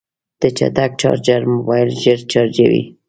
د چټک چارجر موبایل ژر چارجوي.